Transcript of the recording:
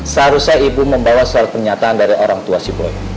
seharusnya ibu membawa surat pernyataan dari orang tua si boya